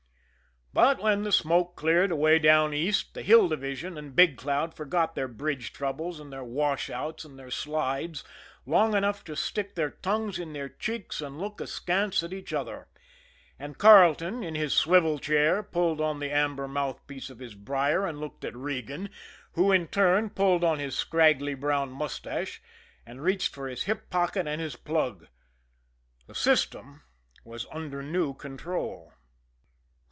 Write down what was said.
But when the smoke cleared away down East, the Hill Division and Big Cloud forgot their bridge troubles and their washouts and their slides long enough to stick their tongues in their cheeks and look askance at each other; and Carleton, in his swivel chair, pulled on the amber mouthpiece of his brier and looked at Regan, who, in turn, pulled on his scraggly brown mustache and reached for his hip pocket and his plug. The system was under new control.